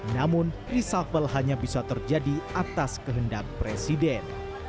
namun reshuffle hanya bisa terjadi atas kehendak presiden